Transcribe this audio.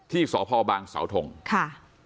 ที่สพบางสทค่ะ